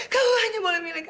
kamu hanya boleh milik aku